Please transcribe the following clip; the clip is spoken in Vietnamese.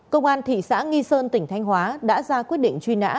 công an thị xã nghi sơn tỉnh thanh hóa đã ra quyết định truy nã